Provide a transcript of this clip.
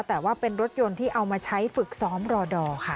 แต่ว่าเป็นรถยนต์ที่เอามาใช้ฝึกซ้อมรอดอค่ะ